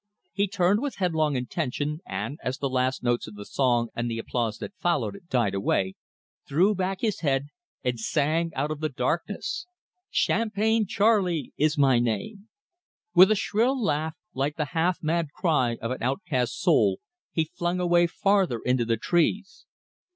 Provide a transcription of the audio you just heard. He turned with headlong intention, and, as the last notes of the song and the applause that followed it, died away, threw back his head and sang out of the darkness: "Champagne Charlie is my name " With a shrill laugh, like the half mad cry of an outcast soul, he flung away farther into the trees.